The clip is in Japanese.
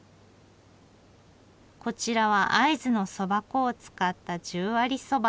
こちらは会津のそば粉を使った十割そば。